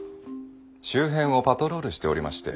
周辺をパトロールしておりまして。